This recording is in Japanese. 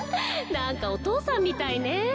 なんかお父さんみたいね。